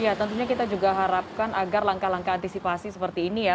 ya tentunya kita juga harapkan agar langkah langkah antisipasi seperti ini ya